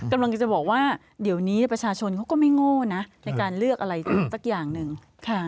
กำลังจะบอกว่าเดี๋ยวนี้ประชาชนเขาก็ไม่โง่นะในการเลือกอะไรสักอย่างหนึ่ง